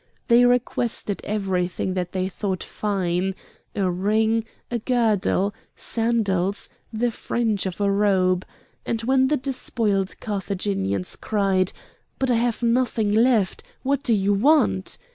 They requested everything that they thought fine: a ring, a girdle, sandals, the fringe of a robe, and when the despoiled Carthaginian cried—"But I have nothing left. What do you want?"